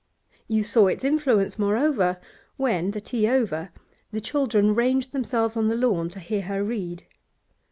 You saw its influence, moreover, when, the tea over, the children ranged themselves on the lawn to hear her read.